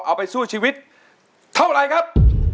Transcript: เอาไปสู้ชีวิตเท่าไรครับ